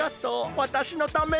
わたしのために。